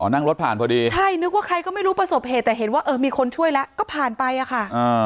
นั่งรถผ่านพอดีใช่นึกว่าใครก็ไม่รู้ประสบเหตุแต่เห็นว่าเออมีคนช่วยแล้วก็ผ่านไปอะค่ะ